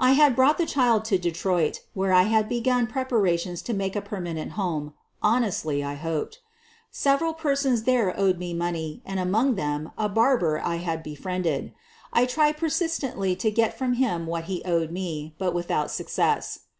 I had brought the child to Detroit, where 1 had begun preparations to make a permanent home, honestly, 1 hoped. Several per sons there owed me money, and among them a bar ber I had befriended. I tried persistently to get •from him what he owed me, but without success.